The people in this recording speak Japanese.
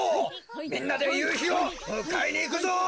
みんなでゆうひをむかえにいくぞ。